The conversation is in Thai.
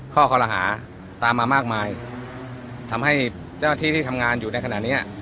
ข้อคอรหาตามมามากมายทำให้เจ้าหน้าที่ที่ทำงานอยู่ในขณะเนี้ย